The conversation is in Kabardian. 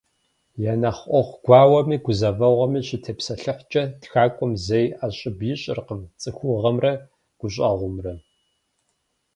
Я нэхъ ӏуэху гуауэми гузэвэгъуэми щытепсэлъыхькӏэ, тхакӏуэм зэи ӏэщӏыб ищӏыркъым цӏыхугъэмрэ гущӏэгъумрэ.